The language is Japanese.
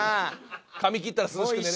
髪切ったら涼しく寝れる。